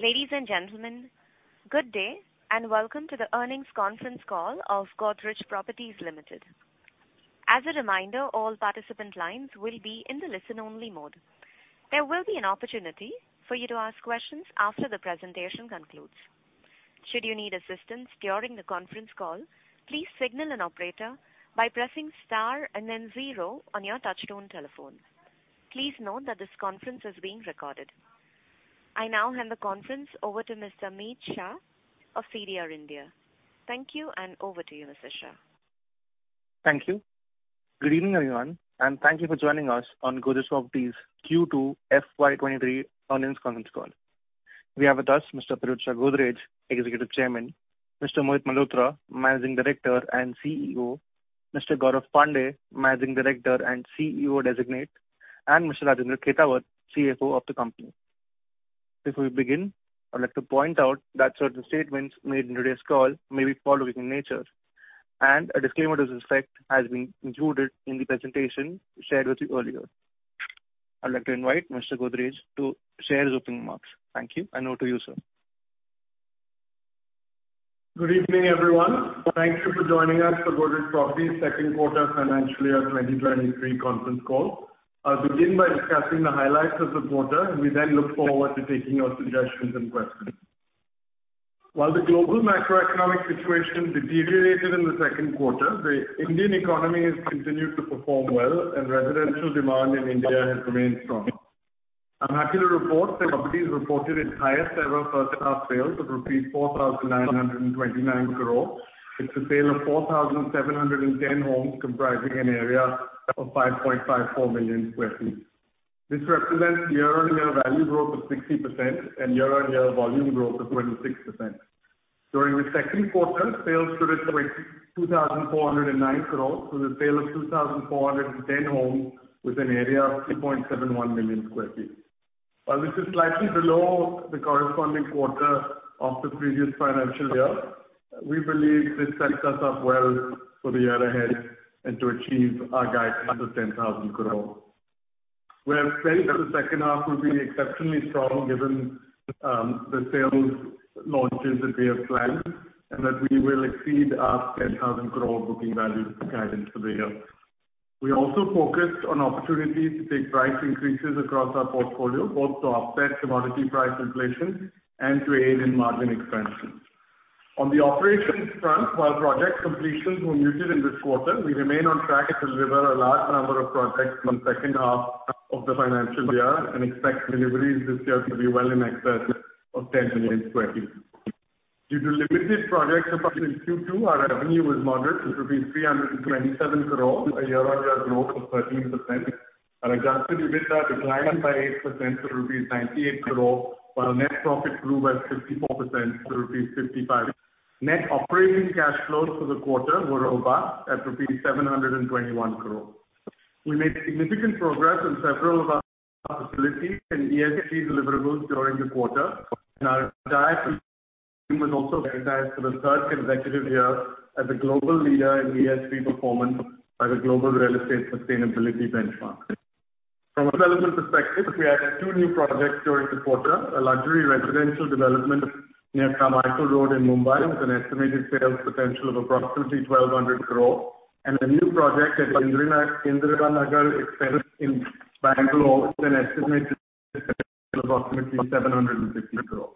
Ladies and gentlemen, good day, and welcome to the earnings conference call of Godrej Properties Limited. As a reminder, all participant lines will be in the listen-only mode. There will be an opportunity for you to ask questions after the presentation concludes. Should you need assistance during the conference call, please signal an operator by pressing star and then zero on your touchtone telephone. Please note that this conference is being recorded. I now hand the conference over to Mr. Mihir Shah of CDR India. Thank you, and over to you, Mr. Shah. Thank you. Good evening, everyone, and thank you for joining us on Godrej Properties Q2 FY23 earnings conference call. We have with us Mr. Pirojsha Godrej, Executive Chairman, Mr. Mohit Malhotra, Managing Director and CEO, Mr. Gaurav Pandey, Managing Director and CEO Designate, and Mr. Rajendra Khetawat, CFO of the company. Before we begin, I'd like to point out that certain statements made in today's call may be forward-looking in nature, and a disclaimer to this effect has been included in the presentation shared with you earlier. I'd like to invite Mr. Godrej to share his opening remarks. Thank you, and over to you, sir. Good evening, everyone. Thank you for joining us for Godrej Properties' second quarter financial year 2023 conference call. I'll begin by discussing the highlights of the quarter. We then look forward to taking your suggestions and questions. While the global macroeconomic situation deteriorated in the second quarter, the Indian economy has continued to perform well, and residential demand in India has remained strong. I'm happy to report that Godrej Properties reported its highest ever first half sales of 4,929 crore. It's a sale of 4,710 homes comprising an area of 5.54 million sq ft. This represents year-on-year value growth of 60% and year-on-year volume growth of 26%. During the second quarter, sales stood at 2,409 crore, so the sale of 2,410 homes with an area of 3.71 million sq ft. This is slightly below the corresponding quarter of the previous financial year. We believe this sets us up well for the year ahead and to achieve our guidance of 10,000 crore. We are expecting that the second half will be exceptionally strong given the sales launches that we have planned, and that we will exceed our 10,000 crore booking values guidance for the year. We also focused on opportunities to take price increases across our portfolio, both to offset commodity price inflation and to aid in margin expansion. On the operations front, while project completions were muted in this quarter, we remain on track to deliver a large number of projects in the second half of the financial year and expect deliveries this year to be well in excess of 10 million sq ft. Due to limited project supply in Q2, our revenue was moderate at 327 crore, a year-on-year growth of 13%. Our adjusted EBITDA declined by 8% to rupees 98 crore, while our net profit grew by 54% to rupees 55 crore. Net operating cash flows for the quarter were robust at rupees 721 crore. We made significant progress on several of our facilities and ESG deliverables during the quarter, and our DE&I team was also recognized for the third consecutive year as a global leader in ESG performance by the Global Real Estate Sustainability Benchmark. From a development perspective, we added two new projects during the quarter, a luxury residential development near Carmichael Road in Mumbai, with an estimated sales potential of approximately 1,200 crore, and a new project at Indiranagar Extension in Bangalore with an estimated sales potential of approximately 750 crore.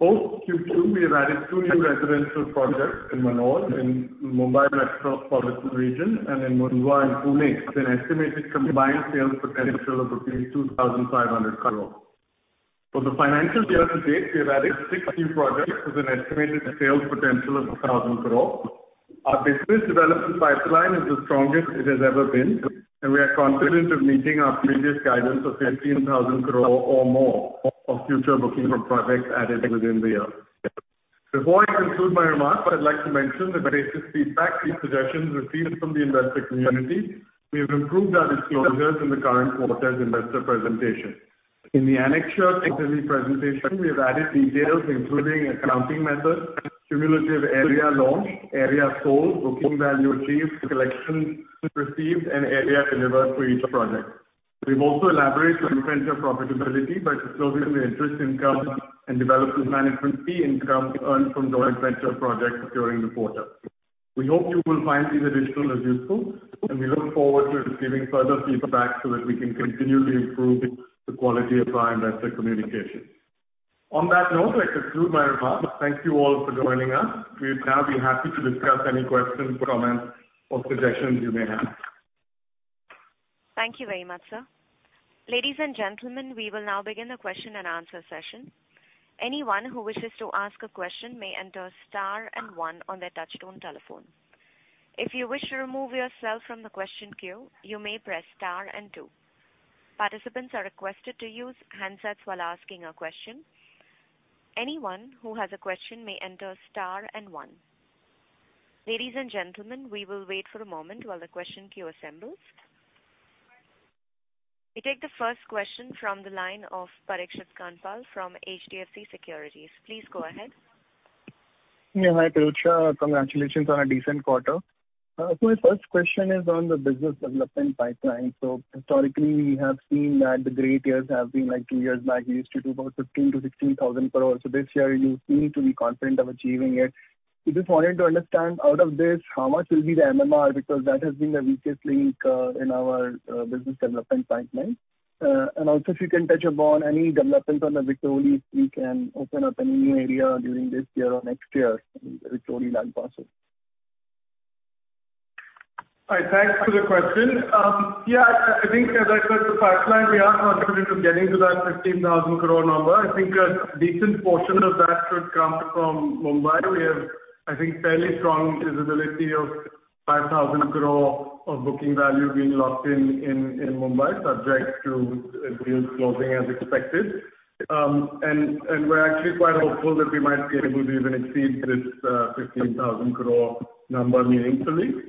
Post Q2, we have added two new residential projects in Panvel in Mumbai Metropolitan Region and in Hinjewadi in Pune, with an estimated combined sales potential of 2,500 crore. For the financial year to date, we have added six new projects with an estimated sales potential of 1,000 crore. Our business development pipeline is the strongest it has ever been, and we are confident of meeting our previous guidance of 15,000 crore or more of future booking from projects added within the year. Before I conclude my remarks, I'd like to mention that based on feedback and suggestions received from the investor community, we have improved our disclosures in the current quarter's investor presentation. In the annex of our quarterly presentation, we have added details including accounting methods, cumulative area launched, area sold, booking value achieved, collections received, and area delivered for each project. We've also elaborated on venture profitability by disclosing the interest income and development management fee income earned from joint venture projects during the quarter. We hope you will find these additions as useful, and we look forward to receiving further feedback so that we can continually improve the quality of our investor communication. On that note, I conclude my remarks. Thank you all for joining us. We'd now be happy to discuss any questions, comments, or suggestions you may have. Thank you very much, sir. Ladies and gentlemen, we will now begin the question and answer session. Anyone who wishes to ask a question may enter star and one on their touchtone telephone. If you wish to remove yourself from the question queue, you may press star and two. Participants are requested to use handsets while asking a question. Anyone who has a question may enter star and one. Ladies and gentlemen, we will wait for a moment while the question queue assembles. We take the first question from the line of Parikshit Kandpal from HDFC Securities. Please go ahead. Yeah. Hi, Pirojsha. Congratulations on a decent quarter. My first question is on the business development pipeline. Historically, we have seen that the great years have been like two years back. We used to do about 15,000-16,000 crore. This year you seem to be confident of achieving it. We just wanted to understand out of this how much will be the MMR, because that has been the weakest link in our business development pipeline. And also, if you can touch upon any developments on the Vikhroli, if we can open up a new area during this year or next year in Vikhroli land parcel. All right. Thanks for the question. Yeah, I think as I said, the pipeline, we are confident of getting to that 15,000 crore number. I think a decent portion of that should come from Mumbai. We have, I think, fairly strong visibility of 5,000 crore of booking value being locked in Mumbai, subject to deals closing as expected. We're actually quite hopeful that we might be able to even exceed this 15,000 crore number meaningfully.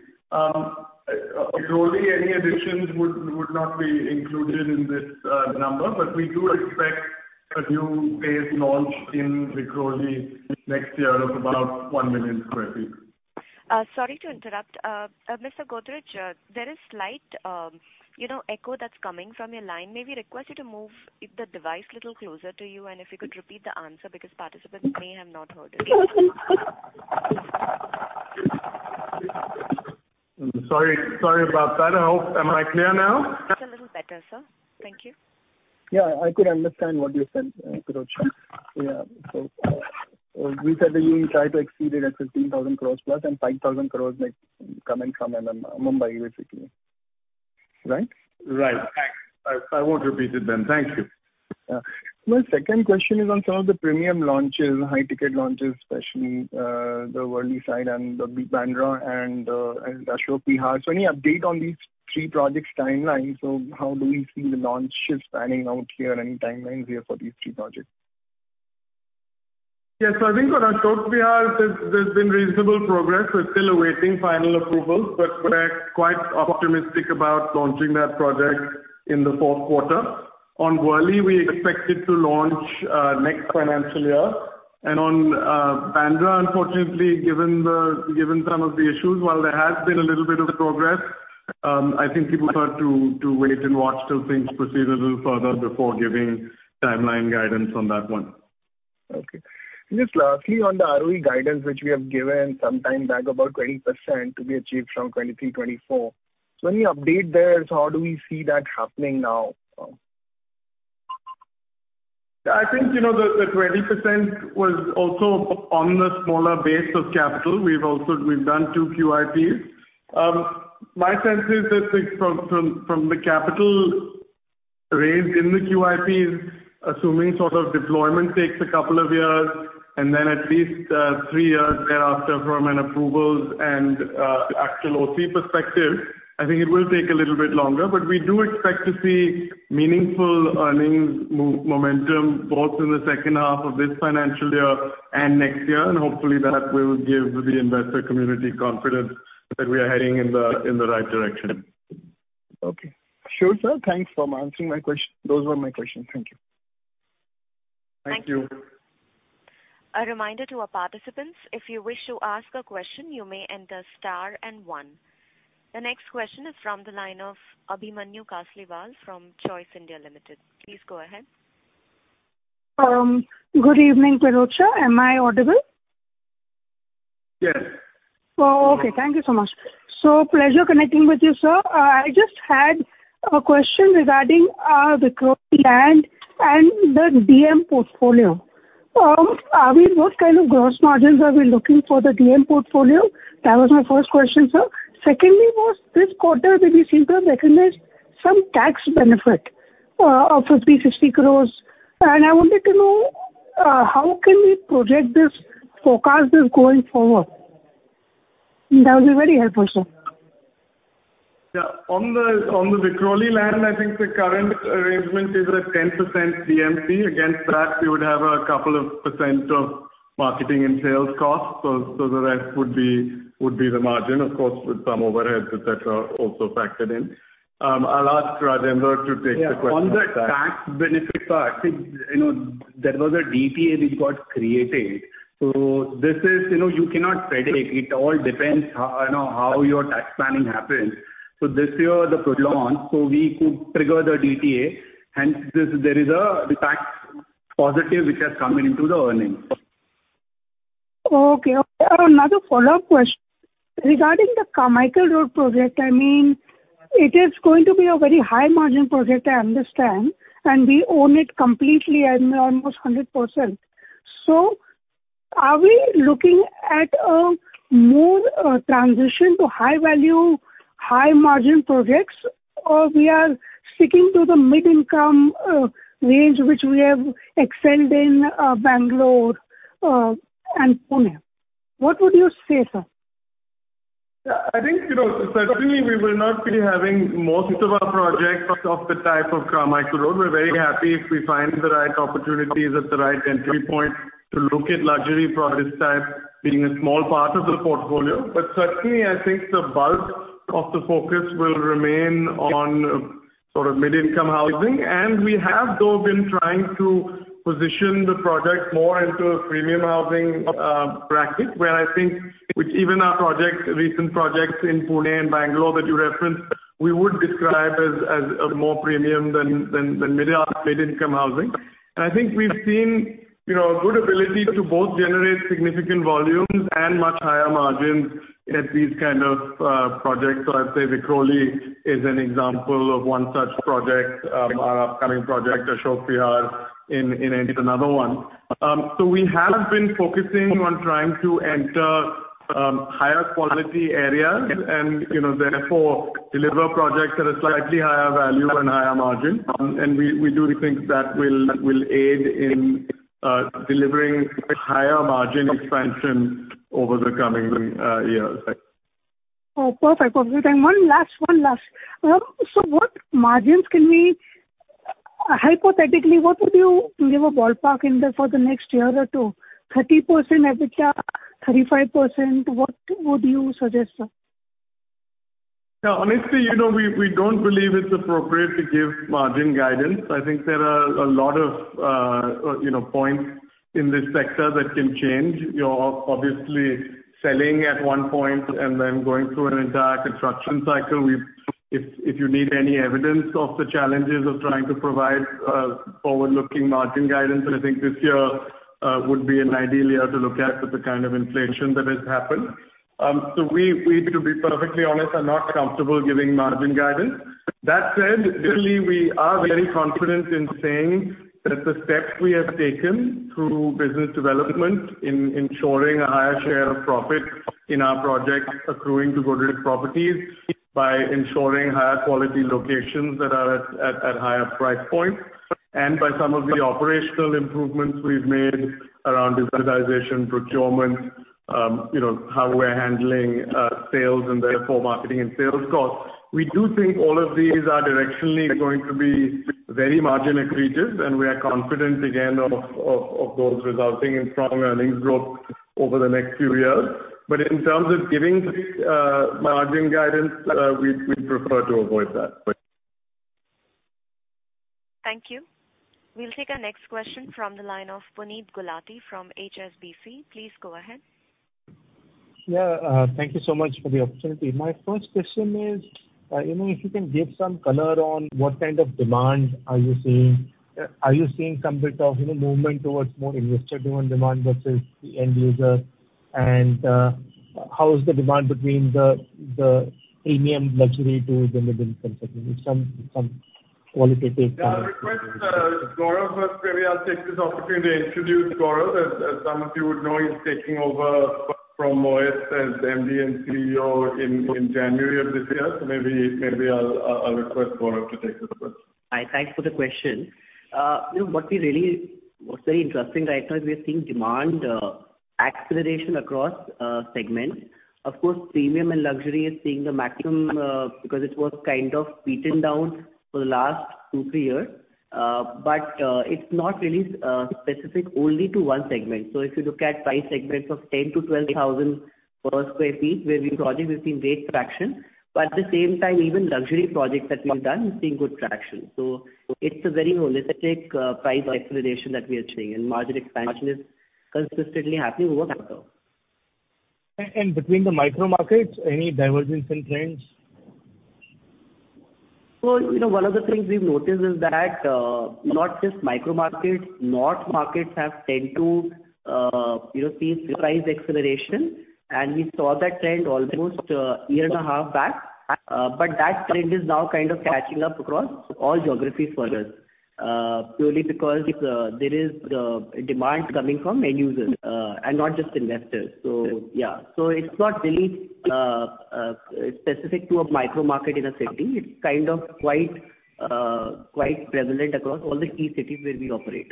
Vikhroli, any additions would not be included in this number, but we do expect a new phase launch in Vikhroli next year of about 1 million sq ft. Sorry to interrupt. Mr. Godrej, there is slight, you know, echo that's coming from your line. May we request you to move the device a little closer to you and if you could repeat the answer because participants may have not heard it. Sorry about that. I hope. Am I clear now? It's a little better, sir. Thank you. I could understand what you said, Pirojsha, yeah. You said that you will try to exceed it at 15,000 crores+ and 5,000 crores may come in from Mumbai basically, right? Right. Thanks. I won't repeat it then. Thank you. Yeah. My second question is on some of the premium launches, high-ticket launches, especially, the Worli side and the Bandra and Ashok Vihar. Any update on these three projects' timelines? How do we see the launches panning out here? Any timelines here for these three projects? Yes. I think on Ashok Vihar, there's been reasonable progress. We're still awaiting final approvals, but we're quite optimistic about launching that project in the fourth quarter. On Worli, we expect it to launch next financial year. On Bandra, unfortunately, given some of the issues, while there has been a little bit of progress, I think people prefer to wait and watch till things proceed a little further before giving timeline guidance on that one. Okay. Just lastly, on the ROE guidance which we have given some time back, about 20% to be achieved from 2023-2024. Any update there? How do we see that happening now? I think, you know, the 20% was also on the smaller base of capital. We've also done two QIPs. My sense is that it's from the capital raised in the QIPs, assuming sort of deployment takes a couple of years, and then at least three years thereafter from an approvals and actual OC perspective, I think it will take a little bit longer. We do expect to see meaningful earnings momentum both in the second half of this financial year and next year. Hopefully that will give the investor community confidence that we are heading in the right direction. Okay. Sure, sir. Thanks for answering. Those were my questions. Thank you. Thank you. A reminder to our participants, if you wish to ask a question, you may enter star and one. The next question is from the line of Abhimanyu Kasliwal from Choice Equity Broking Ltd. Please go ahead. Good evening, Pirojsha. Am I audible? Yes. Thank you so much. Pleasure connecting with you, sir. I just had a question regarding Vikhroli land and the DM portfolio. What kind of gross margins are we looking for the DM portfolio? That was my first question, sir. Secondly, this quarter we seem to have recognized some tax benefit of 50 crores. I wanted to know how we can project this, forecast this going forward. That would be very helpful, sir. Yeah. On the Vikhroli land, I think the current arrangement is at 10% DMC. Against that, we would have a couple of % of marketing and sales costs. The rest would be the margin, of course, with some overheads, et cetera, also factored in. I'll ask Rajendra to take the question. Yeah. On the tax benefit part, I think, you know, there was a DTA which got created. This is, you know, you cannot predict. It all depends how your tax planning happens. This year, the provision, so we could trigger the DTA, hence there is a tax benefit which has come into the earnings. Okay. Another follow-up question. Regarding the Carmichael Road project, I mean, it is going to be a very high-margin project, I understand, and we own it completely and almost 100%. Are we looking at a more transition to high-value, high-margin projects, or we are sticking to the mid-income range which we have excelled in Bangalore and Pune? What would you say, sir? Yeah. I think, you know, certainly we will not be having most of our projects of the type of Carmichael Road. We're very happy if we find the right opportunities at the right entry point to look at luxury product type being a small part of the portfolio. Certainly, I think the bulk of the focus will remain on sort of mid-income housing. We have though been trying to position the project more into a premium housing bracket, where I think, which even our projects, recent projects in Pune and Bangalore that you referenced, we would describe as more premium than mid-income housing. I think we've seen, you know, good ability to both generate significant volumes and much higher margins at these kind of projects. I'd say Vikhroli is an example of one such project. Our upcoming project, Godrej Ashok Vihar in Delhi, is another one. We have been focusing on trying to enter higher quality areas and, you know, therefore, deliver projects at a slightly higher value and higher margin. We do think that will aid in delivering higher margin expansion over the coming years. Oh, perfect. Thank you. One last. Hypothetically, what would you give a ballpark in the for the next year or two? 30% EBITDA, 35%, what would you suggest, sir? Yeah. Honestly, you know, we don't believe it's appropriate to give margin guidance. I think there are a lot of, you know, points in this sector that can change. You're obviously selling at one point and then going through an entire construction cycle. If you need any evidence of the challenges of trying to provide forward-looking margin guidance, then I think this year would be an ideal year to look at with the kind of inflation that has happened. We, to be perfectly honest, are not comfortable giving margin guidance. That said, really, we are very confident in saying that the steps we have taken through business development in ensuring a higher share of profit in our projects accruing to Godrej Properties by ensuring higher quality locations that are at higher price points, and by some of the operational improvements we've made around digitization, procurement, you know, how we're handling sales and therefore marketing and sales costs. We do think all of these are directionally going to be very margin accretive, and we are confident again of those resulting in strong earnings growth over the next few years. In terms of giving margin guidance, we prefer to avoid that. Thank you. We'll take our next question from the line of Puneet Gulati from HSBC. Please go ahead. Thank you so much for the opportunity. My first question is, you know, if you can give some color on what kind of demand are you seeing. Are you seeing some bit of, you know, movement towards more investor-driven demand versus the end user? How is the demand between the premium luxury to the mid-income segment? Some qualitative. Yeah. I request Gaurav, but maybe I'll take this opportunity to introduce Gaurav. As some of you would know, he's taking over from Mohit Malhotra as MD and CEO in January of this year. Maybe I'll request Gaurav to take the question. Hi. Thanks for the question. You know, what's very interesting right now is we are seeing demand acceleration across segments. Of course, premium and luxury is seeing the maximum because it was kind of beaten down for the last two to three years. But it's not really specific only to one segment. If you look at price segments of 10-12,000 per sq ft, where we've seen great traction, but at the same time, even luxury projects that we've done, we've seen good traction. It's a very holistic price acceleration that we are seeing, and margin expansion is consistently happening over that. Between the micro markets, any divergence in trends? You know, one of the things we've noticed is that not just micro markets, northern markets have tended to see price acceleration. We saw that trend almost a year and a half back. That trend is now kind of catching up across all geographies for us purely because there is demand coming from end users and not just investors. Yeah. It's not really specific to a micro market in a city. It's kind of quite prevalent across all the key cities where we operate.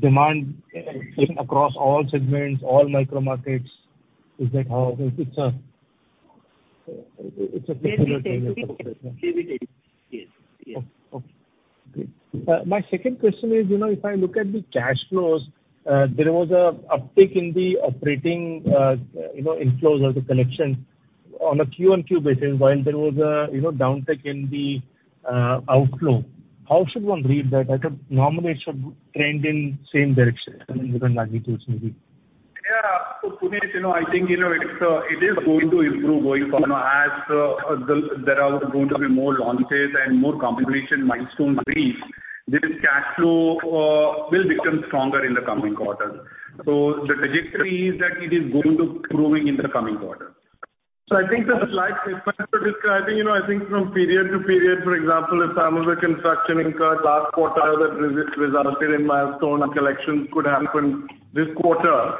Demand across all segments, all micro markets, is that how it's a particular thing? Yes, we did. Yes. Yes. Okay. Great. My second question is, you know, if I look at the cash flows, there was an uptick in the operating, you know, inflows or the collections on a Q-on-Q basis, while there was a, you know, downtick in the outflow. How should one read that? I think normally it should trend in same direction and different magnitudes maybe. Puneet, you know, I think, you know, it's, it is going to improve going forward. Now, there are going to be more launches and more completion milestones reached, this cash flow will become stronger in the coming quarters. The trajectory is that it is going to improving in the coming quarters. I think there's a slight difference, but it's, I think, you know, I think from period to period, for example, if some of the construction incurred last quarter that resulted in milestone collections could happen this quarter.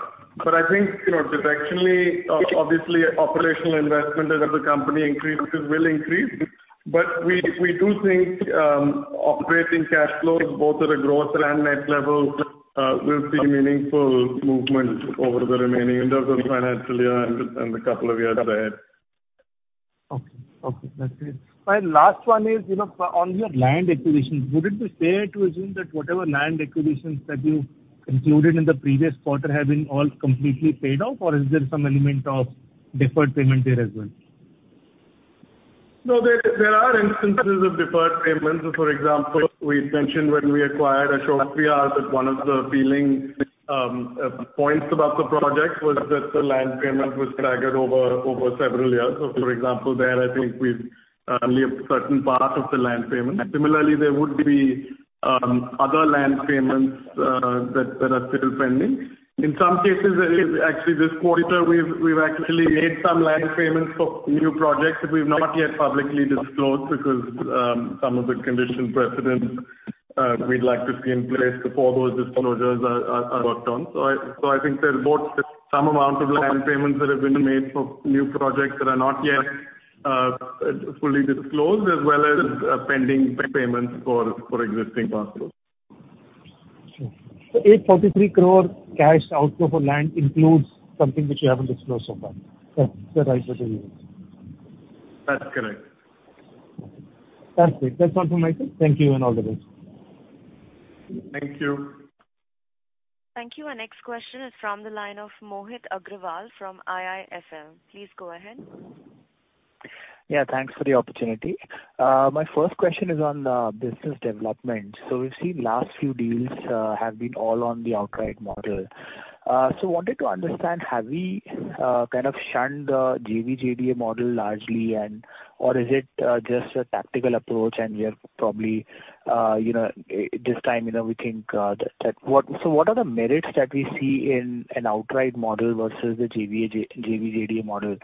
I think, you know, directionally, obviously operational investment as a company increases will increase. We do think, operating cash flows both at a gross and net level, will see meaningful movement over the remaining of the financial year and the couple of years ahead. Okay. Okay, that's it. My last one is, you know, on your land acquisitions, would it be fair to assume that whatever land acquisitions that you included in the previous quarter have been all completely paid off, or is there some element of deferred payment there as well? No, there are instances of deferred payments. For example, we mentioned when we acquired Ashok Vihar that one of the appealing points about the project was that the land payment was staggered over several years. For example, there I think we've only a certain part of the land payment. Similarly, there would be other land payments that are still pending. In some cases, there is actually this quarter, we've actually made some land payments for new projects that we've not yet publicly disclosed because some of the conditions precedent we'd like to see in place before those disclosures are worked on. I think there's both some amount of land payments that have been made for new projects that are not yet fully disclosed as well as pending payments for existing portfolios. 843 crore cash outflow for land includes something which you haven't disclosed so far. Is that the right way to read it? That's correct. That's it. That's confirmation. Thank you and all the best. Thank you. Thank you. Our next question is from the line of Mohit Agrawal from IIFL. Please go ahead. Yeah, thanks for the opportunity. My first question is on the business development. We've seen last few deals have been all on the outright model. Wanted to understand, have we kind of shunned the JV-JDA model largely and/or is it just a tactical approach and we are probably, you know, this time, you know, we think that what are the merits that we see in an outright model versus the JV-JDA model,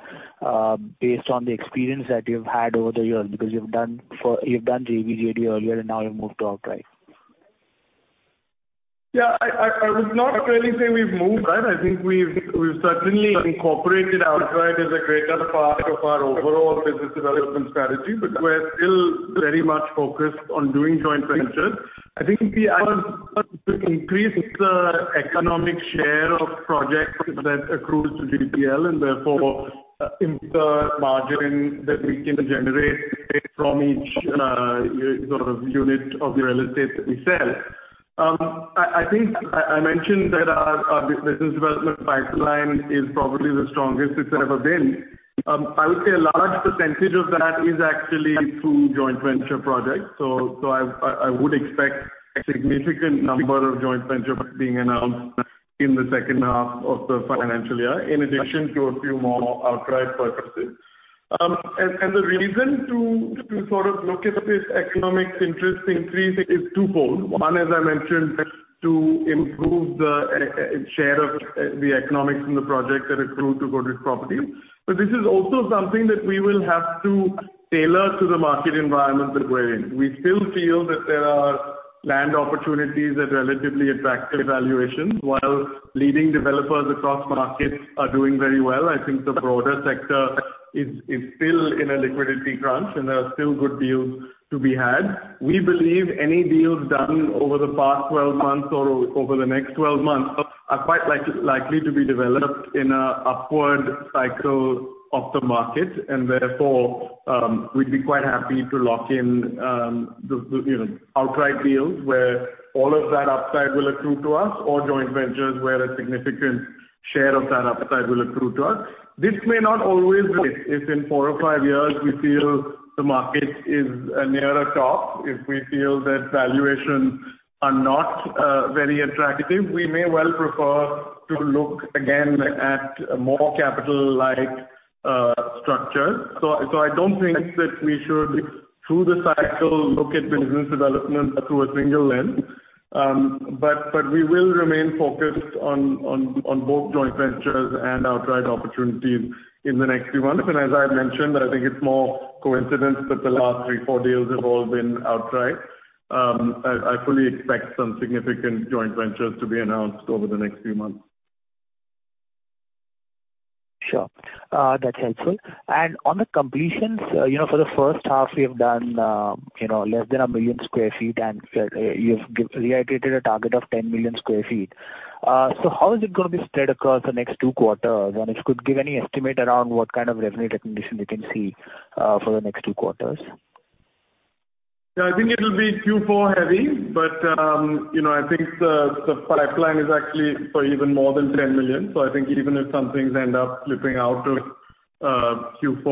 based on the experience that you've had over the years because you've done JV-JDA earlier and now you've moved to outright. I would not really say we've moved, right? I think we've certainly incorporated outright as a greater part of our overall business development strategy, but we're still very much focused on doing joint ventures. I think we are to increase the economic share of projects that accrue to GPL, and therefore, in the margin that we can generate from each sort of unit of real estate that we sell. I think I mentioned that our business development pipeline is probably the strongest it's ever been. I would say a large percentage of that is actually through joint venture projects. I would expect a significant number of joint venture projects being announced in the second half of the financial year, in addition to a few more outright purchases. The reason to sort of look at this economic interest increase is twofold. One, as I mentioned, to improve the share of the economics in the project that accrue to Godrej Properties. This is also something that we will have to tailor to the market environment that we're in. We still feel that there are land opportunities at relatively attractive valuations while leading developers across markets are doing very well. I think the broader sector is still in a liquidity crunch, and there are still good deals to be had. We believe any deals done over the past 12 months or over the next 12 months are quite likely to be developed in an upward cycle of the market, and therefore, we'd be quite happy to lock in, you know, outright deals where all of that upside will accrue to us or joint ventures where a significant share of that upside will accrue to us. This may not always be. If in 4 or 5 years we feel the market is near a top, if we feel that valuations are not very attractive, we may well prefer to look again at more capital light structures. I don't think that we should through the cycle look at business development through a single lens. We will remain focused on both joint ventures and outright opportunities in the next few months. As I mentioned, I think it's more coincidence that the last three, four deals have all been outright. I fully expect some significant joint ventures to be announced over the next few months. Sure. That's helpful. On the completions, you know, for the first half you've done, you know, less than 1 million sq ft and you've reiterated a target of 10 million sq ft. How is it gonna be spread across the next two quarters? If you could give any estimate around what kind of revenue recognition we can see for the next two quarters? Yeah, I think it'll be Q4 heavy, but you know, I think the pipeline is actually for even more than 10 million. I think even if some things end up slipping out to Q4,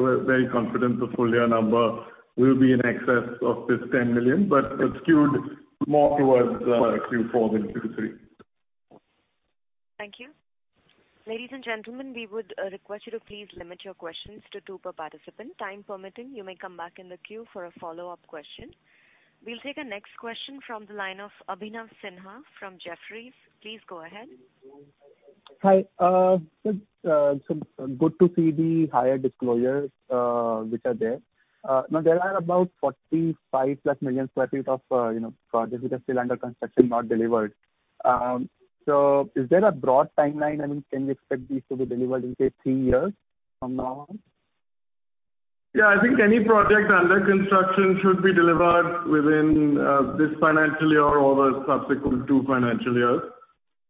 we're very confident the full year number will be in excess of this 10 million, but it's skewed more towards Q4 than Q3. Thank you. Ladies and gentlemen, we would request you to please limit your questions to two per participant. Time permitting, you may come back in the queue for a follow-up question. We'll take a next question from the line of Abhinav Sinha from Jefferies. Please go ahead. Hi. Good to see the higher disclosures, which are there. Now there are about 45+ million sq ft of, you know, projects which are still under construction, not delivered. Is there a broad timeline, and can we expect these to be delivered in, say, three years from now on? Yeah, I think any project under construction should be delivered within this financial year or the subsequent two financial years.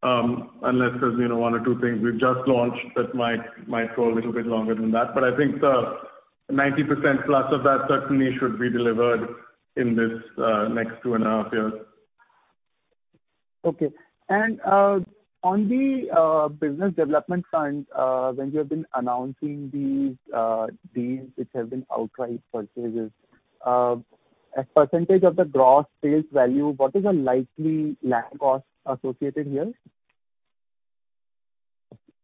Unless there's, you know, one or two things we've just launched that might go a little bit longer than that. I think the 90% plus of that certainly should be delivered in this next two and a half years. Okay. On the business development front, when you have been announcing these deals which have been outright purchases, as percentage of the Gross Development Value, what is the likely land cost associated here?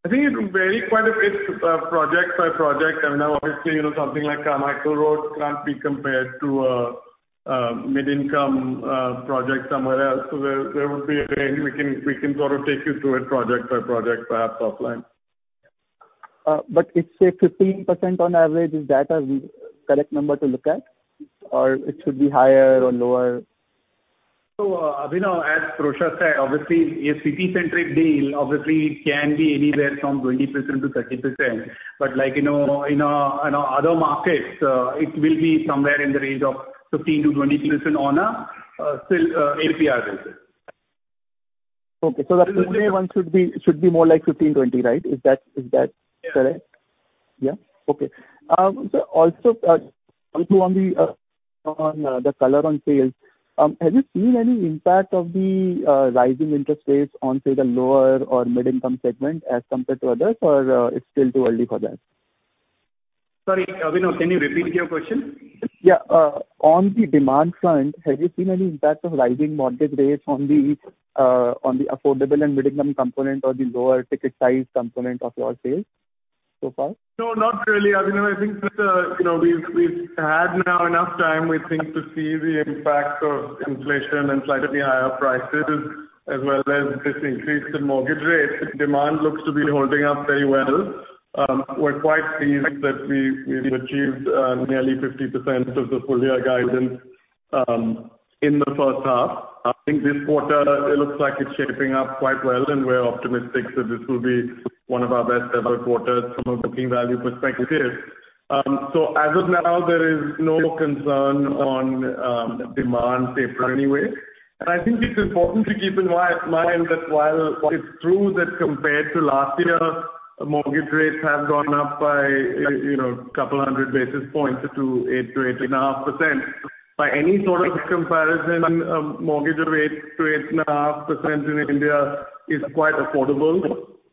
I think it'll vary quite a bit, project by project. I know obviously, you know, something like Carmichael Road can't be compared to a mid-income project somewhere else. There would be a range we can sort of take you through it project by project, perhaps offline. it's say 15% on average, is that a correct number to look at? It should be higher or lower? Abhinav, as Prashant said, obviously a city-centric deal obviously can be anywhere from 20%-30%. But like, you know, in other markets, it will be somewhere in the range of 15%-20% on a GDV basis. Okay. So the. The Pune one should be more like 15, 20, right? Is that correct? Yeah. Also, on to the color on sales, have you seen any impact of the rising interest rates on, say, the lower or mid-income segment as compared to others, or it's still too early for that? Sorry, Abhinav, can you repeat your question? Yeah. On the demand front, have you seen any impact of rising mortgage rates on the affordable and mid-income component or the lower ticket size component of your sales so far? No, not really, Abhinav. I think that, you know, we've had now enough time we think to see the impact of inflation and slightly higher prices as well as this increase in mortgage rates. Demand looks to be holding up very well. We're quite pleased that we've achieved nearly 50% of the full year guidance in the first half. I think this quarter it looks like it's shaping up quite well, and we're optimistic that this will be one of our best ever quarters from a booking value perspective. So as of now, there is no concern on demand per se anyway. I think it's important to keep in mind that while it's true that compared to last year, mortgage rates have gone up by, you know, 200 basis points to 8%-8.5%, by any sort of comparison, mortgage rates to 8.5% in Delhi is quite affordable.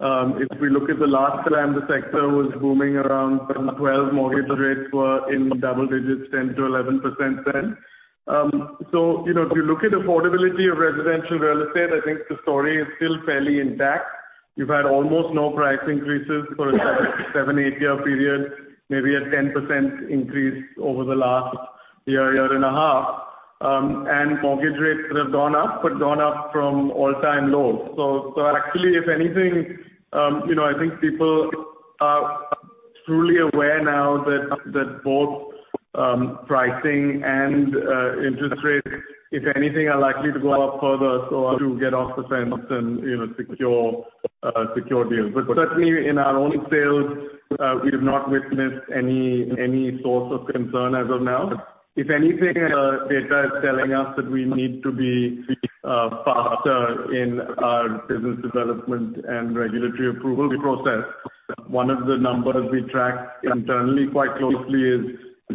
If we look at the last time the sector was booming around 2012, mortgage rates were in double digits, 10%-11% then. You know, if you look at affordability of residential real estate, I think the story is still fairly intact. We've had almost no price increases for a 7 year-8year period, maybe a 10% increase over the last year and a half. Mortgage rates that have gone up, but gone up from all-time lows. Actually if anything, you know, I think people are truly aware now that both pricing and interest rates, if anything, are likely to go up further, so as to get off the fence and, you know, secure deals. But certainly in our own sales, we have not witnessed any source of concern as of now. If anything, data is telling us that we need to be faster in our business development and regulatory approval process. One of the numbers we track internally quite closely is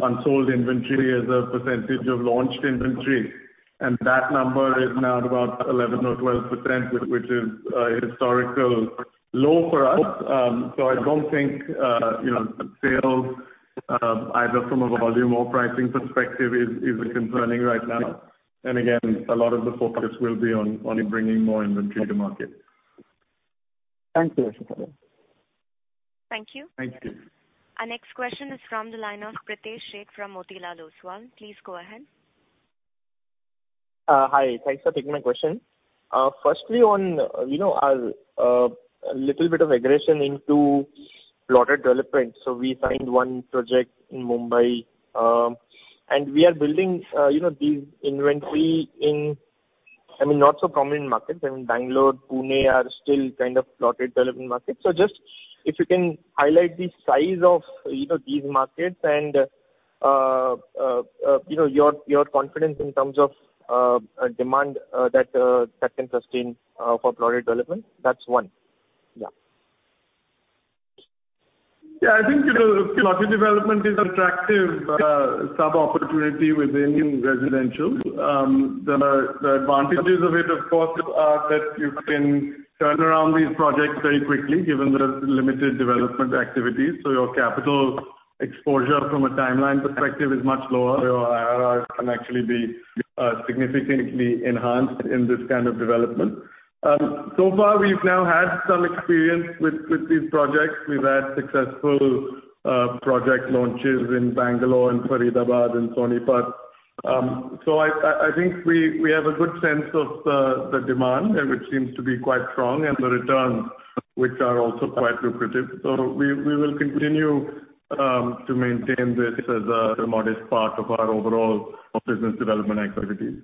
unsold inventory as a percentage of launched inventory, and that number is now at about 11% or 12%, which is a historical low for us. I don't think, you know, sales either from a volume or pricing perspective is concerning right now. Again, a lot of the focus will be on bringing more inventory to market. Thank you, Pirojsha Godrej. Thank you. Thank you. Our next question is from the line of Pritesh Sheth from Motilal Oswal. Please go ahead. Hi. Thanks for taking my question. Firstly, on, you know, little bit of aggression into plotted development. We find one project in Mumbai, and we are building, you know, these inventory in, I mean, not so common markets. I mean, Bangalore, Pune are still kind of plotted development markets. Just if you can highlight the size of, you know, these markets and, you know, your confidence in terms of, demand, that that can sustain, for plotted development. That's one. Yeah. I think, you know, plotted development is attractive sub-opportunity within residential. The advantages of it, of course, are that you can turn around these projects very quickly given the limited development activities. Your capital exposure from a timeline perspective is much lower. Your IRRs can actually be significantly enhanced in this kind of development. So far we've now had some experience with these projects. We've had successful project launches in Bangalore and Faridabad and Sonipat. I think we have a good sense of the demand and which seems to be quite strong and the returns which are also quite lucrative. We will continue to maintain this as a modest part of our overall business development activities.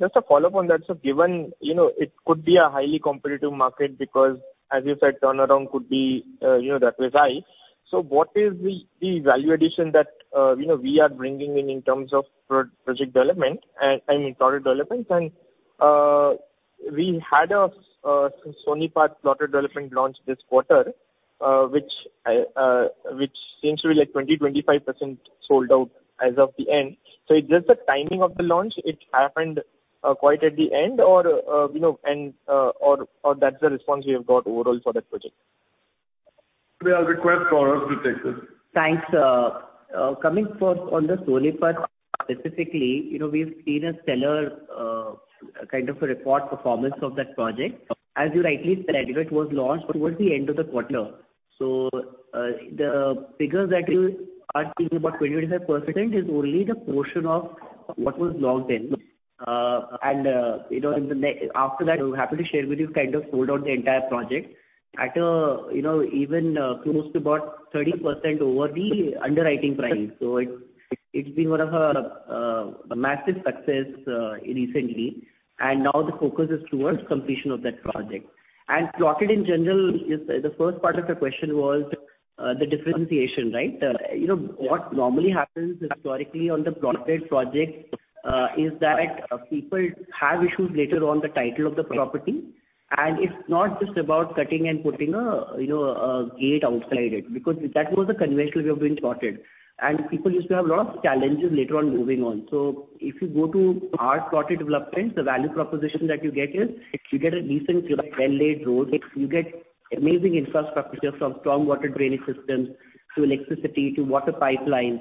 Just a follow-up on that. Given, you know, it could be a highly competitive market because as you said, turnaround could be, you know, that way high. What is the value addition that, you know, we are bringing in in terms of project development and, I mean, plotted development? We had a Sonipat plotted development launch this quarter, which seems to be like 25% sold out as of the end. Is it just the timing of the launch, it happened quite at the end or, you know, or that's the response you have got overall for that project? I'll request Gaurav to take this. Thanks. Coming first on the Sonipat specifically, you know, we've seen a stellar kind of reported performance of that project. As you rightly said, you know, it was launched towards the end of the quarter. The figures that you are talking about 20%-25% is only the portion of what was launched then. And, you know, after that, we're happy to share with you kind of sold out the entire project at a, you know, even close to about 30% over the underwriting price. It's been one of our, a massive success recently. Now the focus is towards completion of that project. Plotted in general is the first part of your question was, the differentiation, right? You know, what normally happens historically on the plotted project is that people have issues later on the title of the property, and it's not just about cutting and putting a, you know, a gate outside it, because that was the conventional way of doing plotted. People used to have a lot of challenges later on moving on. If you go to our plotted developments, the value proposition that you get is you get a decent well-laid road, you get amazing infrastructure from strong water drainage systems to electricity to water pipelines.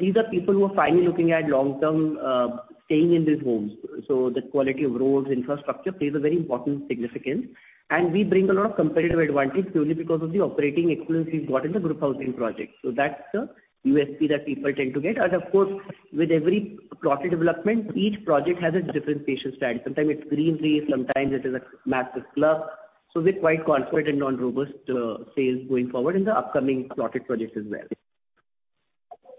These are people who are finally looking at long-term staying in these homes. The quality of roads, infrastructure plays a very important significance. We bring a lot of competitive advantage purely because of the operating excellence we've got in the group housing project. That's the USP that people tend to get. Of course, with every plotted development, each project has a different pattern and style. Sometimes it's greenery, sometimes it is a massive club. We're quite confident on robust sales going forward in the upcoming plotted projects as well.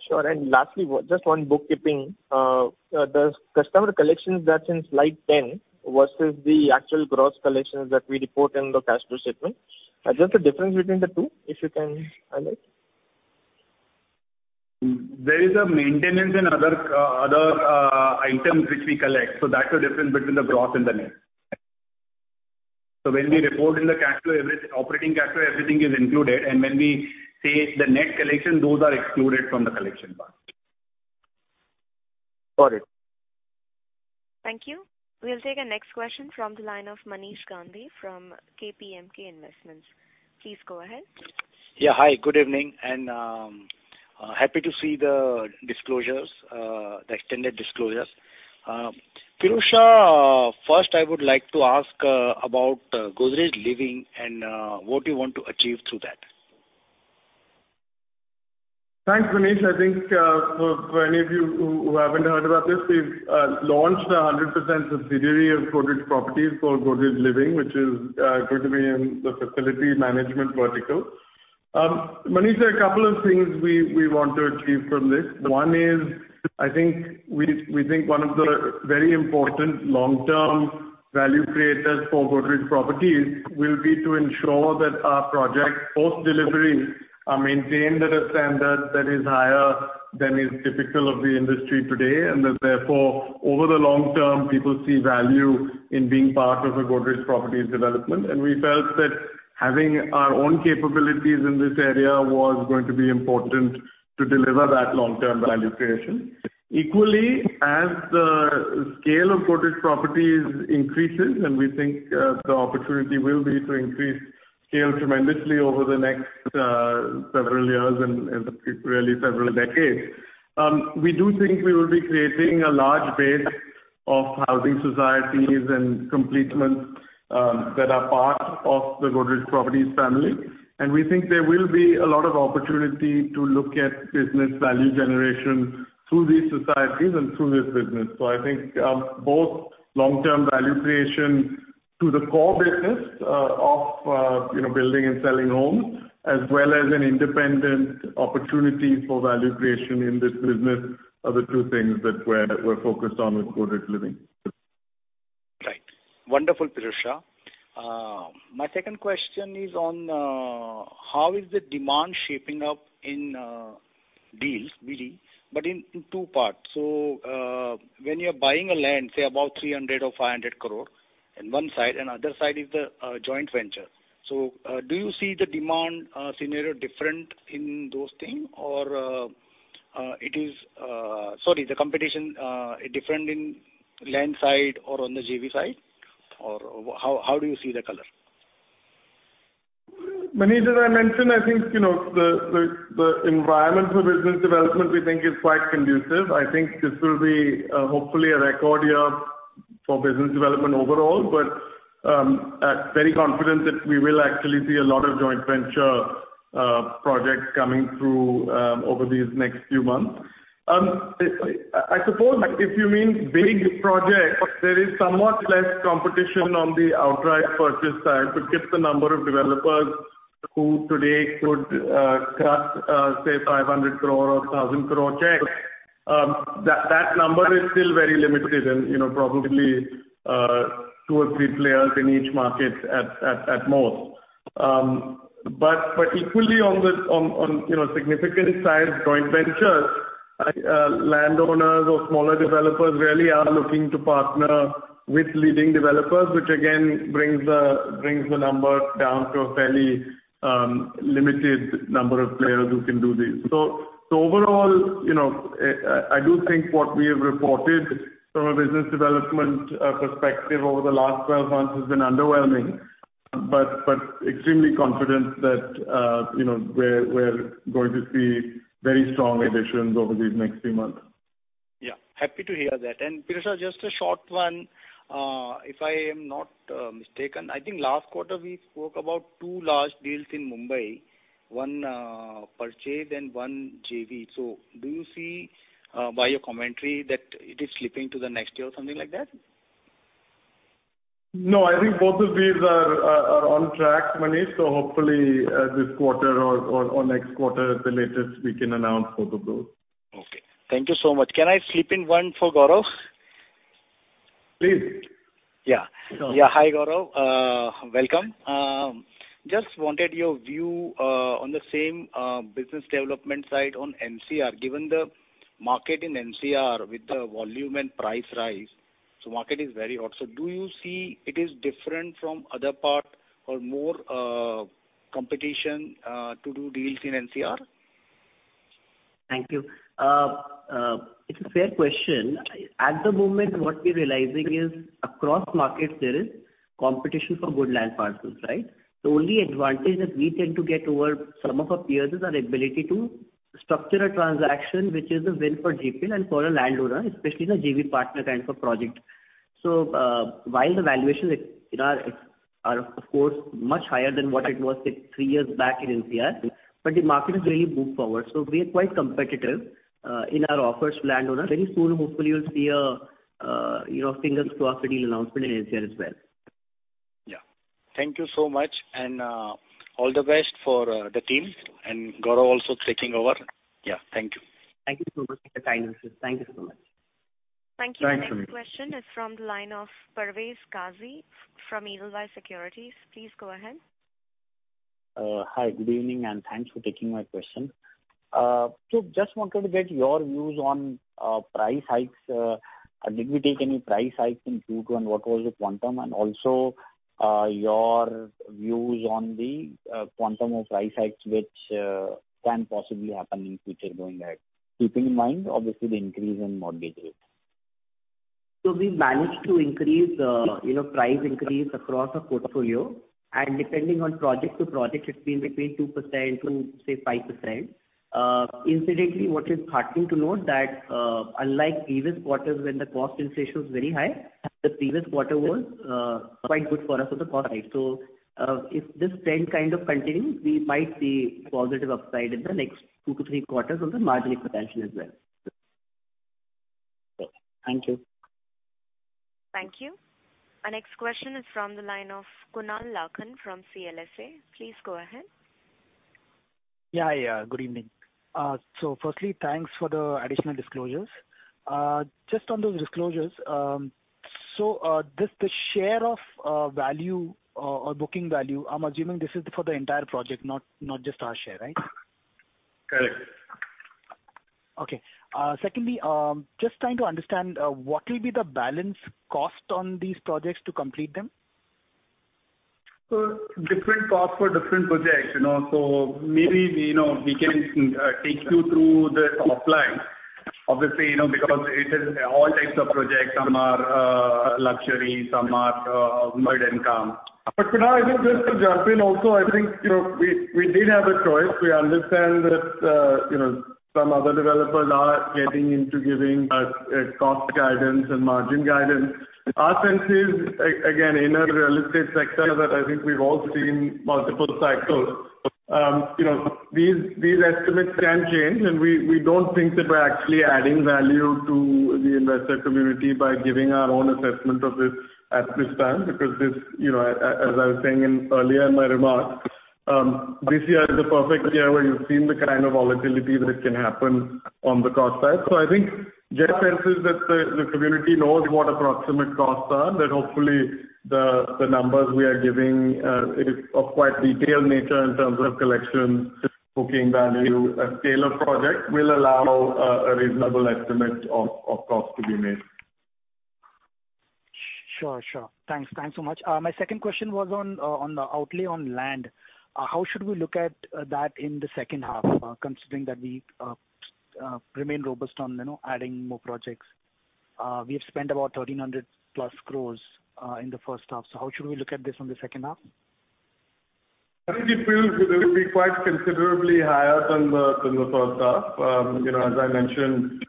Sure. Lastly, just on bookkeeping, the customer collections that's in slide 10 versus the actual gross collections that we report in the cash flow statement. Is there a difference between the two, if you can highlight? There is a maintenance and other items which we collect. That's the difference between the gross and the net. When we report in the cash flow, operating cash flow, everything is included, and when we say the net collection, those are excluded from the collection part. Got it. Thank you. We'll take our next question from the line of Manish Gandhi from KPMG Investments. Please go ahead. Yeah, hi. Good evening, and happy to see the disclosures, the extended disclosures. Pirojsha, first I would like to ask about Godrej Living and what you want to achieve through that. Thanks, Manish. I think, for any of you who haven't heard about this, we've launched a 100% subsidiary of Godrej Properties called Godrej Living, which is going to be in the facility management vertical. Manish, a couple of things we want to achieve from this. One is, I think we think one of the very important long-term value creators for Godrej Properties will be to ensure that our projects post-delivery are maintained at a standard that is higher than is typical of the industry today. That therefore, over the long term, people see value in being part of a Godrej Properties development. We felt that having our own capabilities in this area was going to be important to deliver that long-term value creation. Equally, as the scale of Godrej Properties increases, and we think the opportunity will be to increase scale tremendously over the next several years and really several decades, we do think we will be creating a large base of housing societies and complements that are part of the Godrej Properties family. We think there will be a lot of opportunity to look at business value generation through these societies and through this business. I think both long-term value creation to the core business of you know building and selling homes, as well as an independent opportunity for value creation in this business are the two things that we're focused on with Godrej Living. Right. Wonderful, Pirojsha. My second question is on how the demand is shaping up in deals really, but in two parts. When you're buying a land, say about 300 crore or 500 crore in one side, and the other side is the joint venture. Do you see the demand scenario different in those things? Sorry, the competition different in land side or on the JV side? Or how do you see the color? Manish, as I mentioned, I think, you know, the environment for business development we think is quite conducive. I think this will be hopefully a record year for business development overall. Very confident that we will actually see a lot of joint venture projects coming through over these next few months. I suppose if you mean big projects, there is somewhat less competition on the outright purchase side because the number of developers who today could cut say 500 crore or 1,000 crore checks, that number is still very limited. You know, probably two or three players in each market at most. But equally on the significant size joint ventures, landowners or smaller developers really are looking to partner with leading developers, which again, brings the number down to a fairly limited number of players who can do this. Overall, you know, I do think what we have reported from a business development perspective over the last 12 months has been underwhelming, but extremely confident that, you know, we're going to see very strong additions over these next 3 months. Yeah. Happy to hear that. Pirojsha, just a short one. If I am not mistaken, I think last quarter we spoke about two large deals in Mumbai: one purchase and one JV. Do you see by your commentary that it is slipping to the next year or something like that? No, I think both the deals are on track, Manish. Hopefully, this quarter or next quarter at the latest, we can announce both of those. Okay. Thank you so much. Can I slip in one for Gaurav? Please. Yeah. Sure. Yeah. Hi, Gaurav. Welcome. Just wanted your view on the same business development side on NCR. Given the market in NCR with the volume and price rise, market is very hot. Do you see it is different from other part or more competition to do deals in NCR? Thank you. It's a fair question. At the moment, what we're realizing is across markets there is competition for good land parcels, right? The only advantage that we tend to get over some of our peers is our ability to structure a transaction which is a win for GPL and for a landowner, especially the JV partner kind for project. While the valuations, you know, are of course much higher than what it was say three years back in NCR, but the market has really moved forward. We are quite competitive, in our offers to landowners. Very soon, hopefully you'll see a, you know, single property deal announcement in NCR as well. Yeah. Thank you so much and all the best for the team and Gaurav also taking over. Yeah. Thank you. Thank you so much for your time. Thank you so much. Thank you. The next question is from the line of Parvez Qazi from Edelweiss Securities. Please go ahead. Thank you. Hi, good evening, and thanks for taking my question. Just wanted to get your views on price hikes. Did we take any price hikes in Q2, and what was the quantum? Also, your views on the quantum of price hikes which can possibly happen in future going ahead. Keeping in mind obviously the increase in mortgage rates. We managed to increase, you know, price increase across our portfolio, and depending on project to project, it's been between 2%-5%. Incidentally, what is heartening to note that, unlike previous quarters when the cost inflation was very high, the previous quarter was quite good for us on the cost side. If this trend kind of continues, we might see positive upside in the next 2 quarters-3 quarters of the margin potential as well. Thank you. Thank you. Our next question is from the line of Kunal Lakhan from CLSA. Please go ahead. Yeah, yeah. Good evening. Firstly, thanks for the additional disclosures. Just on those disclosures. This, the share of value, or booking value, I'm assuming this is for the entire project, not just our share, right? Correct. Okay. Secondly, just trying to understand, what will be the balance cost on these projects to complete them? Different costs for different projects, you know. Maybe, you know, we can take you through the top line. Obviously, you know, because it is all types of projects. Some are luxury, some are mid-income. Kunal, I think just to jump in also, I think, you know, we did have a choice. We understand that, you know, some other developers are getting into giving us a cost guidance and margin guidance. Our sense is, again, in a real estate sector that I think we've all seen multiple cycles. You know, these estimates can change, and we don't think that we're actually adding value to the investor community by giving our own assessment of this at this time. Because this, you know, as I was saying earlier in my remarks, this year is a perfect year where you've seen the kind of volatility that can happen on the cost side. I think general sense is that the community knows what approximate costs are, that hopefully the numbers we are giving is of quite detailed nature in terms of collections, booking value, and scale of project will allow a reasonable estimate of cost to be made. Sure. Thanks so much. My second question was on the outlay on land. How should we look at that in the second half, considering that we remain robust on, you know, adding more projects? We have spent about 1,300+ crore in the first half. How should we look at this in the second half? I think it will be quite considerably higher than the first half. You know, as I mentioned,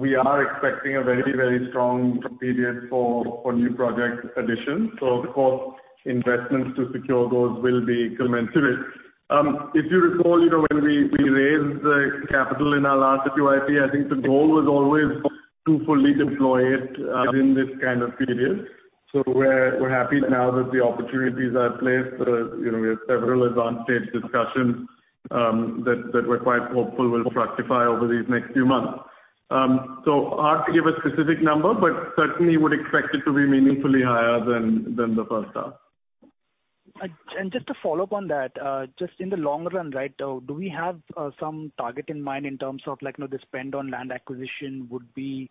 we are expecting a very strong period for new project additions. Of course, investments to secure those will be commensurate. If you recall, you know, when we raised the capital in our last QIP, I think the goal was always to fully deploy it in this kind of period. We're happy that now that the opportunities are in place. You know, we have several advanced stage discussions that we're quite hopeful will fructify over these next few months. Hard to give a specific number, but certainly would expect it to be meaningfully higher than the first half. Just to follow up on that, just in the long run, right, do we have some target in mind in terms of like, you know, the spend on land acquisition would be,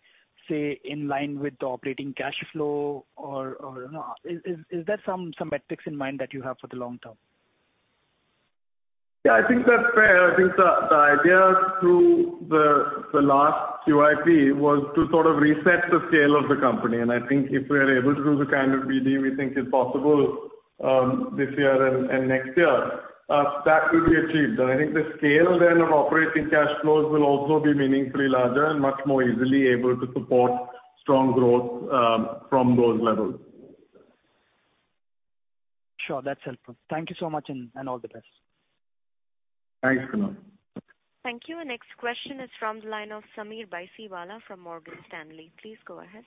say, in line with the operating cash flow? Or, you know, is there some metrics in mind that you have for the long term? Yeah, I think that's fair. I think the idea through the last QIP was to sort of reset the scale of the company. I think if we are able to do the kind of BD we think is possible, this year and next year, that will be achieved. I think the scale then of operating cash flows will also be meaningfully larger and much more easily able to support strong growth, from those levels. Sure. That's helpful. Thank you so much and all the best. Thanks, Kunal. Thank you. The next question is from the line of Sameer Baisiwala from Morgan Stanley. Please go ahead.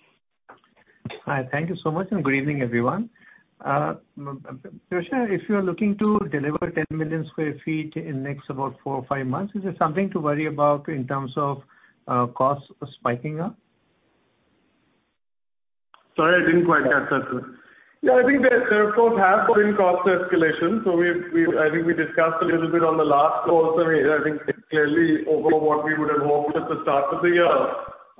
Hi. Thank you so much, and good evening, everyone. Pirojsha, if you are looking to deliver 10 million sq ft in next about 4 or 5 months, is there something to worry about in terms of costs spiking up? Sorry, I didn't quite catch that. Yeah, I think there of course have been cost escalations. We've I think we discussed a little bit on the last call, Sameer. I think it's clearly over what we would have hoped at the start of the year.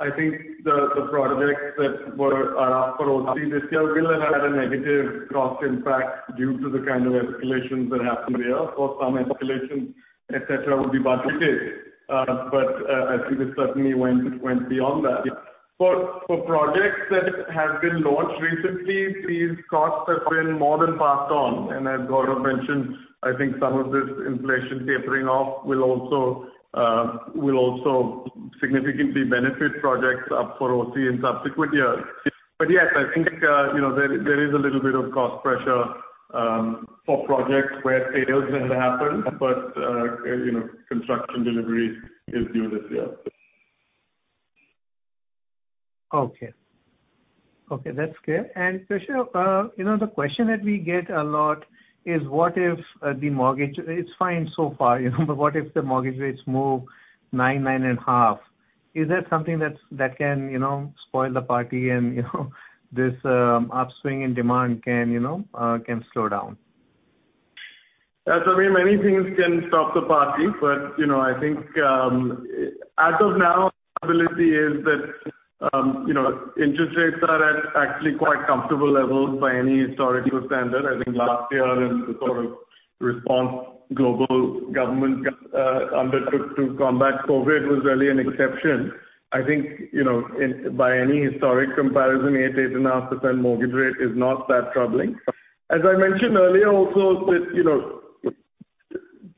I think the projects that are up for OC this year will have had a negative cost impact due to the kind of escalations that happened there. Of course, some escalations, et cetera, would be budgeted. I think it certainly went beyond that. For projects that have been launched recently, these costs have been more than passed on. As Gaurav mentioned, I think some of this inflation tapering off will also significantly benefit projects up for OC in subsequent years. Yes, I think, you know, there is a little bit of cost pressure for projects where sales have happened. You know, construction delivery is due this year. Okay. Okay, that's clear. Pirojsha Godrej, you know, the question that we get a lot is what if it's fine so far, you know? But what if the mortgage rates move 9%-9.5%? Is that something that can, you know, spoil the party and, you know, this upswing in demand can, you know, can slow down? Yeah, Sameer, many things can stop the party. You know, I think, as of now, reality is that, you know, interest rates are at actually quite comfortable levels by any historical standard. I think last year and the sort of response global governments undertook to combat COVID was really an exception. I think, you know, by any historic comparison, 8.5% mortgage rate is not that troubling. As I mentioned earlier also that, you know,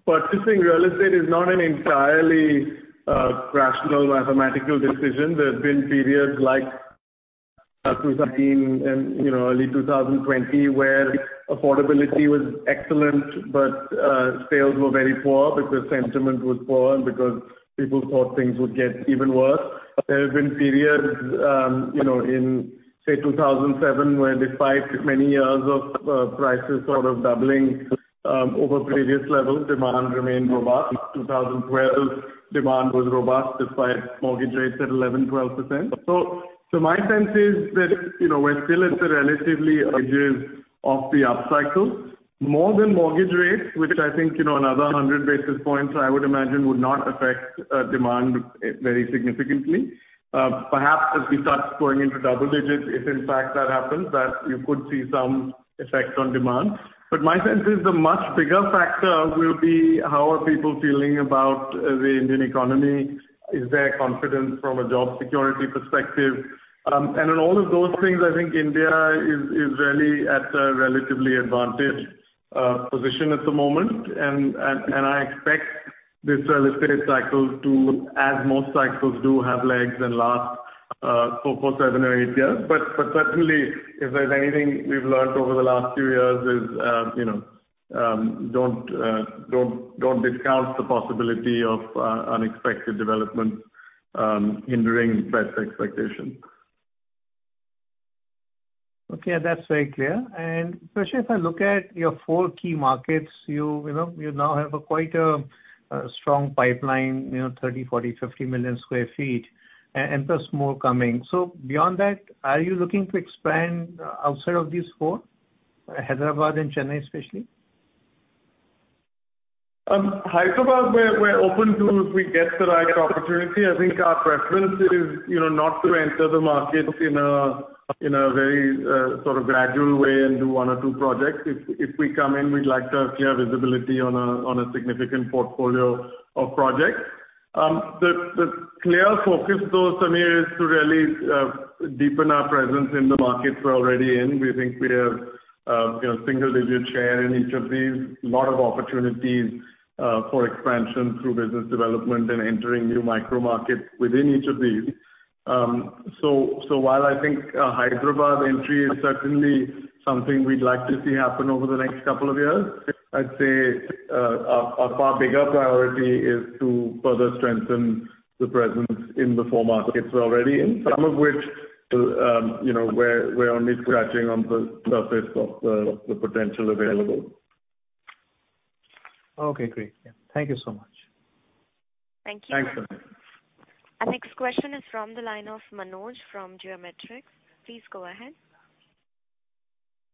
purchasing real estate is not an entirely, rational mathematical decision. There have been periods like 2019 and, you know, early 2020, where affordability was excellent, but sales were very poor because sentiment was poor and because people thought things would get even worse. There have been periods, you know, in, say, 2007, where despite many years of prices sort of doubling over previous levels, demand remained robust. 2012, demand was robust despite mortgage rates at 11%, 12%. My sense is that, you know, we're still at the relatively edges of the up cycle. More than mortgage rates, which I think, you know, another 100 basis points I would imagine would not affect demand very significantly. Perhaps as we start going into double digits, if in fact that happens, that you could see some effect on demand. My sense is the much bigger factor will be how are people feeling about the Indian economy. Is there confidence from a job security perspective? On all of those things, I think Delhi is really at a relatively advantaged position at the moment. I expect this real estate cycle to, as most cycles do, have legs and last for seven or eight years. Certainly if there's anything we've learnt over the last few years is, you know, don't discount the possibility of unexpected developments hindering best expectations. Okay. That's very clear. Pirojsha, as I look at your four key markets, you know, you now have quite a strong pipeline, you know, 30, 40, 50 million sq ft, and there's more coming. Beyond that, are you looking to expand outside of these four, Hyderabad and Chennai especially? Hyderabad, we're open to if we get the right opportunity. I think our preference is, you know, not to enter the markets in a very sort of gradual way and do one or two projects. If we come in, we'd like to have clear visibility on a significant portfolio of projects. The clear focus though, Sameer, is to really deepen our presence in the markets we're already in. We think we have, you know, single digit share in each of these. Lot of opportunities for expansion through business development and entering new micro markets within each of these. While I think a Hyderabad entry is certainly something we'd like to see happen over the next couple of years, I'd say our far bigger priority is to further strengthen the presence in the four markets we're already in, some of which, you know, we're only scratching on the surface of the potential available. Okay, great. Yeah. Thank you so much. Thank you. Thanks, Sameer Baisiwala. Our next question is from the line of Manoj from Geometric. Please go ahead.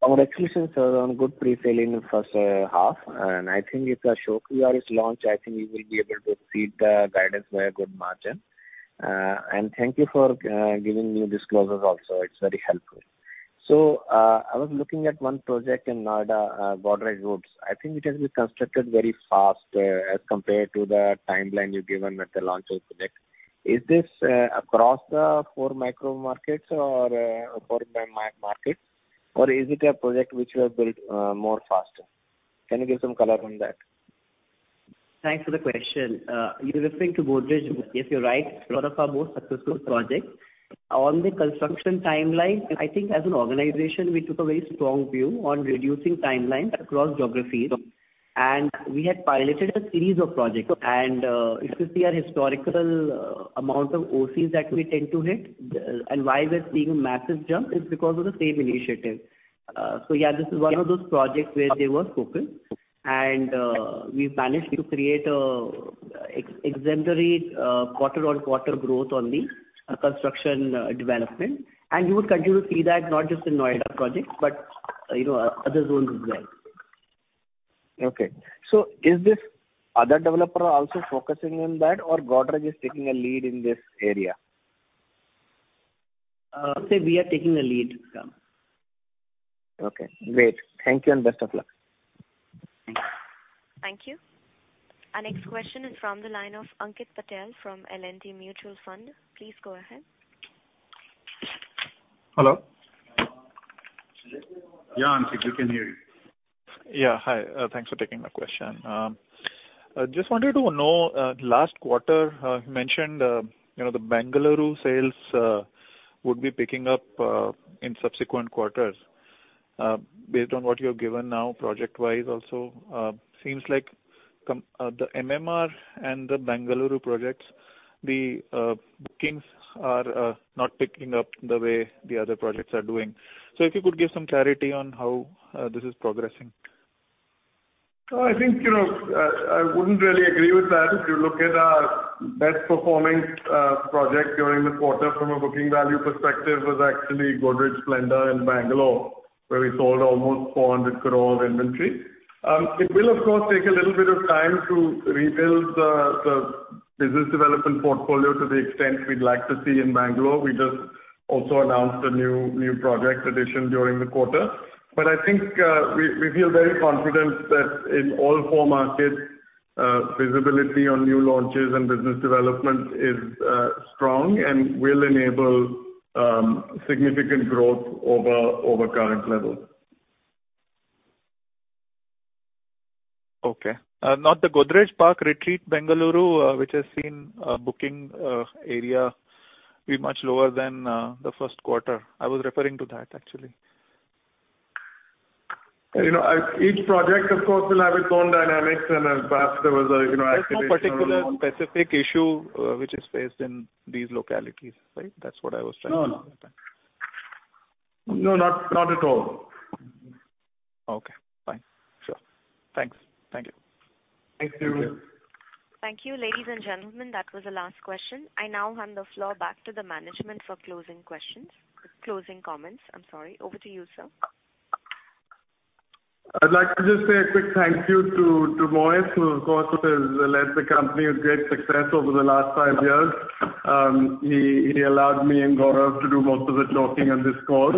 Our expectations are on good pre-sales in the first half, and I think it's a sure PRS is launched. I think we will be able to exceed the guidance by a good margin. Thank you for giving new disclosures also. It's very helpful. I was looking at one project in Noida, Godrej Woods. I think it has been constructed very fast, as compared to the timeline you've given at the launch of project. Is this across the four micro markets or four markets or is it a project which you have built more faster? Can you give some color on that? Thanks for the question. You're referring to Godrej Woods. Yes, you're right. One of our most successful projects. On the construction timeline, I think as an organization, we took a very strong view on reducing timelines across geographies. We had piloted a series of projects. If you see our historical amount of OCs that we tend to hit, why we're seeing a massive jump is because of the same initiative. So yeah, this is one of those projects where they were focused. We've managed to create an exemplary quarter on quarter growth on the construction development. You will continue to see that not just in Noida projects, but you know, other zones as well. Okay. Is this other developer also focusing on that or Godrej is taking a lead in this area? Say we are taking a lead, sir. Okay, great. Thank you and best of luck. Thanks. Thank you. Our next question is from the line of Ankit Patel from HSBC Mutual Fund. Please go ahead. Hello. Yeah, Ankit, we can hear you. Yeah. Hi. Thanks for taking my question. I just wanted to know, last quarter, you mentioned, you know, the Bengaluru sales would be picking up in subsequent quarters. Based on what you have given now project-wise also, seems like the MMR and the Bengaluru projects, the bookings are not picking up the way the other projects are doing. If you could give some clarity on how this is progressing. I think, you know, I wouldn't really agree with that. If you look at our best performing project during this quarter from a booking value perspective was actually Godrej Splendour in Bangalore, where we sold almost 400 crore inventory. It will of course take a little bit of time to rebuild the business development portfolio to the extent we'd like to see in Bangalore. We just also announced a new project addition during the quarter. I think we feel very confident that in all four markets visibility on new launches and business development is strong and will enable significant growth over current levels. Okay. Now the Godrej Park Retreat Bengaluru, which has seen a booking area be much lower than the first quarter. I was referring to that actually. You know, each project of course will have its own dynamics and perhaps there was a, you know, additional. There's no particular specific issue, which is faced in these localities, right? That's what I was trying to. No. No, not at all. Okay. Fine. Sure. Thanks. Thank you. Thanks to you. Thank you, ladies and gentlemen. That was the last question. I now hand the floor back to the management for closing comments, I'm sorry. Over to you, sir. I'd like to just say a quick thank you to Mohit Malhotra, who of course has led the company with great success over the last five years. He allowed me and Gaurav Pandey to do most of the talking on this call.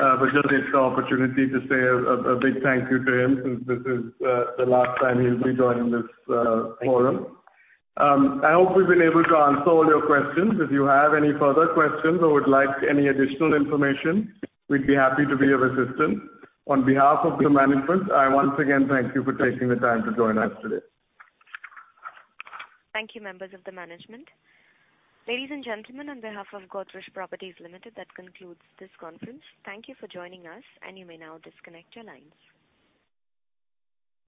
Just take the opportunity to say a big thank you to him since this is the last time he'll be joining this forum. I hope we've been able to answer all your questions. If you have any further questions or would like any additional information, we'd be happy to be of assistance. On behalf of the management, I once again thank you for taking the time to join us today. Thank you, members of the management. Ladies and gentlemen, on behalf of Godrej Properties Limited, that concludes this conference. Thank you for joining us, and you may now disconnect your lines.